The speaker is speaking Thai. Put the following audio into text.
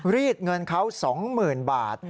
รีดเงินเขา๒๐๐๐บาท